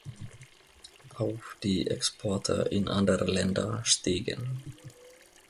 Auch die Exporte in andere Länder stiegen.